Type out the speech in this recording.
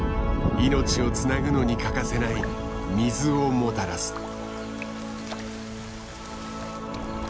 命をつなぐのに欠かせない水をもたらす。